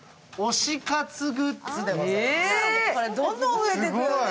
これ、どんどん増えていくよね。